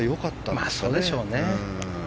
そうでしょうね。